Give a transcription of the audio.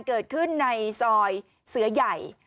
เกิดขึ้นในซอยเสือใหญ่